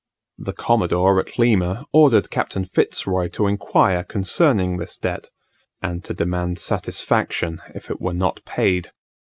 The Commodore at Lima ordered Captain Fitz Roy to inquire concerning this debt, and to demand satisfaction if it were not paid.